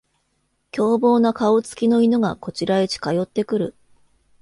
凶暴な顔つきの犬がこちらへ近寄ってくる